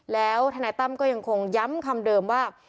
แล้วทนายตั้มก็ยังคงย้ำคำเดิมว่า